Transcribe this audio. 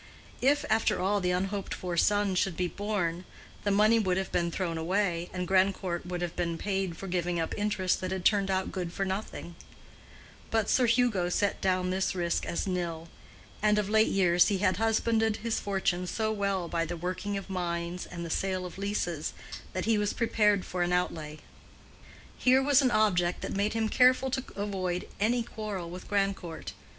If, after all, the unhoped for son should be born, the money would have been thrown away, and Grandcourt would have been paid for giving up interests that had turned out good for nothing; but Sir Hugo set down this risk as nil, and of late years he had husbanded his fortune so well by the working of mines and the sale of leases that he was prepared for an outlay. Here was an object that made him careful to avoid any quarrel with Grandcourt.